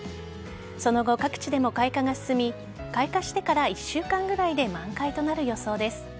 その後、各地でも開花が進み開花してから１週間くらいで満開となる予想です。